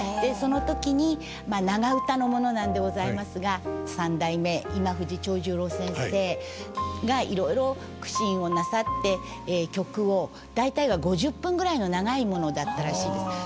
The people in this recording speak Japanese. その時に長唄のものなんでございますが三代目今藤長十郎先生がいろいろ苦心をなさって曲を大体は５０分ぐらいの長いものだったらしいんです。